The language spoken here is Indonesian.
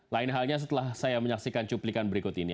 lain halnya setelah saya menyaksikan cuplikan berikut ini